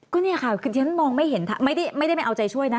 ก็นี่ค่ะคือทีนั้นมองไม่เห็นทางไม่ได้เป็นเอาใจช่วยนะ